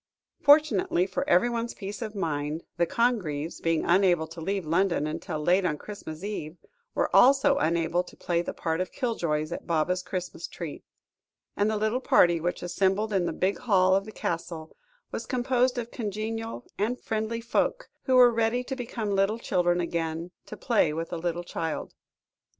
Fortunately for everyone's peace of mind, the Congreves, being unable to leave London until late on Christmas Eve, were also unable to play the part of kill joys at Baba's Christmas tree, and the little party which assembled in the big hall of the Castle, was composed of congenial and friendly folk, who were ready to become little children again, to play with a little child.